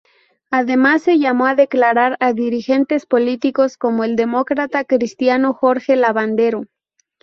Además, se llamó a declarar a dirigentes políticos, como el demócrata cristiano Jorge Lavandero.